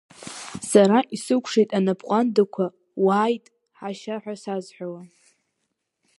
Сара исыкәшеит анапҟәандақәа, уааит, ҳашьа, ҳәа сазҳәауа!